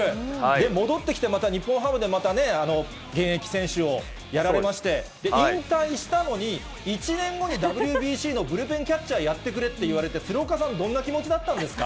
で、戻ってきてまた日本ハムでまたね、現役選手をやられまして、引退したのに、１年後にＷＢＣのブルペンキャッチャーやってくれっていわれて、鶴岡さん、どんな気持ちだったんですか。